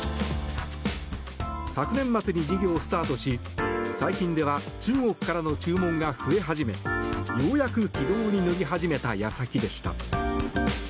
昨年末に事業をスタートし最近では中国からの注文が増え始めようやく軌道に乗り始めた矢先でした。